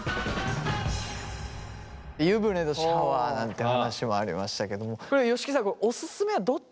湯船とシャワーなんて話もありましたけどもこれ吉木さんおすすめはどっちになるんですか？